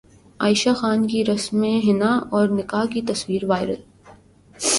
عائشہ خان کی رسم حنا اور نکاح کی تصاویر وائرل